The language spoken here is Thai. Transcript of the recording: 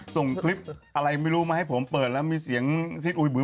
ส่งคลิปอะไรไม่รู้มาให้ผมเปิดแล้วมีเสียงซีดอุย